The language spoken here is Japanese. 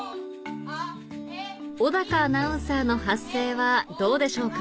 小アナウンサーの発声はどうでしょうか？